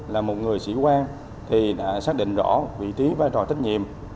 là một người sĩ quan thì đã xác định rõ vị trí vai trò trách nhiệm